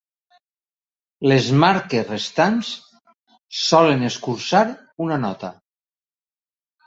Les marques restants solen escurçar una nota.